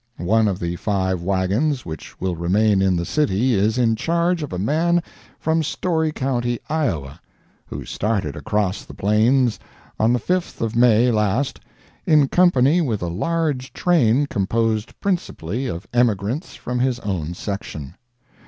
One of the five wagons which will remain in the city is in charge of a man from Story county, Iowa, who started across the plains on the 5th of May last, in company with a large train composed principally of emigrants from his own section.